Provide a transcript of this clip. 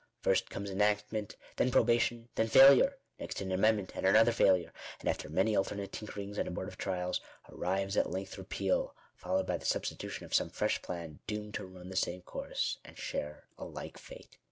First comes enactment, then probation, then failure; next an amendment and another failure ; and, after many alter nate tinkering8 and abortive trials, arrives at length repeal, followed by the substitution of some fresh plan, doomed to run the same course, and share a like fate.